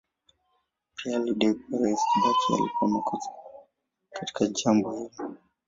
Pia alidai kuwa Rais Kibaki alikuwa makosa katika jambo hilo.